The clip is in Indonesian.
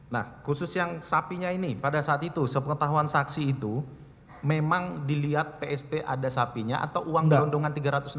nah khusus yang sapinya ini pada saat itu sepengetahuan saksi itu memang dilihat psp ada sapinya atau uang dondongan tiga ratus enam puluh